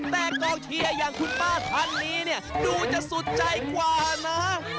แต่กองเชียร์อย่างคุณป้าท่านนี้เนี่ยดูจะสุดใจกว่านะ